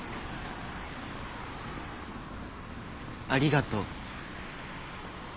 ありがとう。